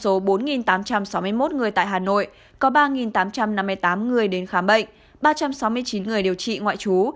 trong số bốn tám trăm sáu mươi một người tại hà nội có ba tám trăm năm mươi tám người đến khám bệnh ba trăm sáu mươi chín người điều trị ngoại trú